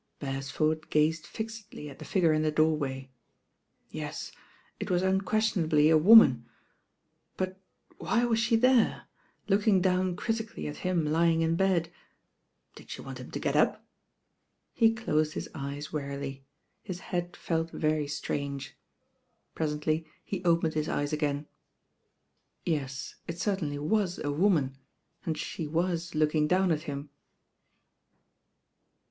Beresford gazed fixedly at the figure in the doorway. Yes, it was unquestionably a woman; but why was she there, looking down critically at him lying in bed? Did she want him to get up? He closed his eyes wearily. His head felt very strange. Presently he opened his eyes again. Yes; it cer tainly was a woman, and she was looking down at him.